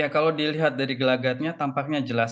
kalau dilihat dari gelagatnya tampaknya jelas